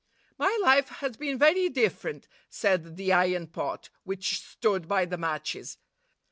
'My life has been very different,' said the iron pot, which stood by the matches.